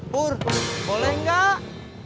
pur boleh nggak